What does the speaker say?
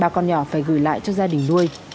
ba con nhỏ phải gửi lại cho gia đình nuôi